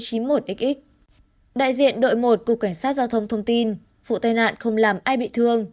đại diện đội một cục cảnh sát giao thông thông tin vụ tai nạn không làm ai bị thương